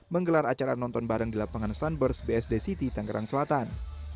menggelar acara nonton bareng di lapangan sunburst bsd city tangerang selatan